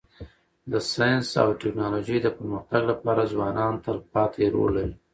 د ساینس او ټکنالوژۍ د پرمختګ لپاره ځوانان تلپاتی رول لري.